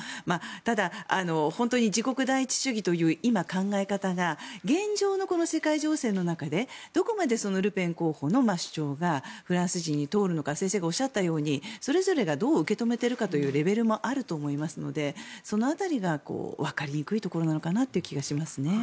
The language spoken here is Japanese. ただ、本当に自国第一主義という今の考え方が現状の世界情勢の中でどこまでルペン候補の主張がフランス人に通るのか先生がおっしゃったようにそれぞれがどう受け止めているかというレベルもあると思いますのでその辺りが分かりにくいところなのかなと思います。